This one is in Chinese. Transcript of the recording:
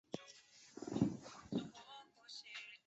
它们在制造商西门子铁路系统内部被称为。